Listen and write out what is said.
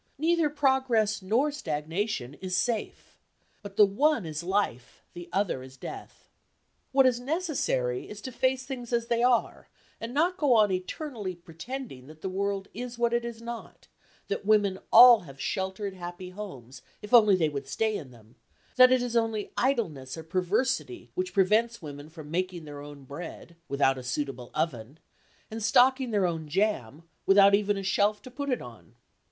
Neither progress nor stagnation is safe; but the one is life, the other is death. What is necessary is to face things as they are and not go on eternally pretending that the world is what it is not: that women all have sheltered happy homes, if only they would stay in them; that it is only idleness or perversity which prevents women from making their own bread (without a suitable oven) and stocking their own jam (without even a shelf to put it on).